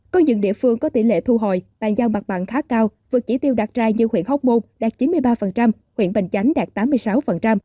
có những địa phương có tỷ lệ thu hồi bàn giao mặt bằng khá cao vượt chỉ tiêu đặt ra như huyện hóc môn đạt chín mươi ba huyện bình chánh đạt tám mươi sáu